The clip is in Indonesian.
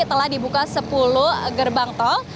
telah dibuka sepuluh gerbang tol